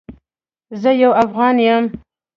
زه یو افغان یم